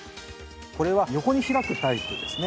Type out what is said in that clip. これは横に開くタイプですね。